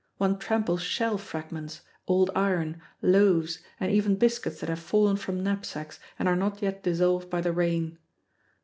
One tramples shell fragments, old iron, loaves and even biscuits that have fallen from knapsacks and are not yet dissolved by the rain.